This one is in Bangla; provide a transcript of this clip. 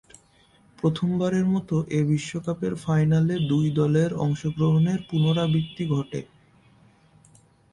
প্রথমবারের মতো এ বিশ্বকাপের ফাইনালে দুই দলের অংশগ্রহণের পুণরাবৃত্তি ঘটে।